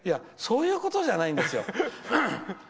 そういうことじゃないんですよ！